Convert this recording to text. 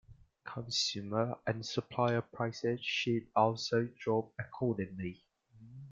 Consumer and supplier prices should also drop accordingly.